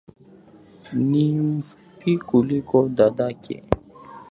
Ni mfupi kuliko dadake